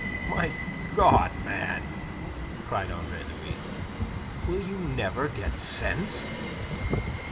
"My God, man!" cried Andre Louis, "will you never get sense?